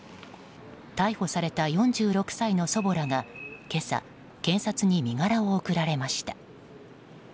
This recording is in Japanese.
逮捕された４６歳の祖母らが今朝、検察に身柄を送られました。